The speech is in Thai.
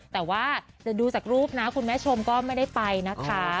แต่ว่าแต่ดูจากรูปนะคุณแม่ชมก็ไม่ได้ไปนะคะ